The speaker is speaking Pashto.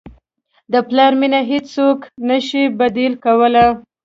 د پلار مینه هیڅوک نه شي بدیل کولی.